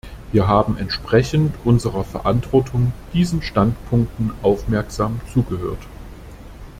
Wir haben entsprechend unserer Verantwortung diesen Standpunkten aufmerksam zugehört.